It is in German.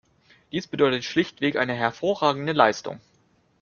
Dies bedeutet schlichtweg eine hervorragende Leistung.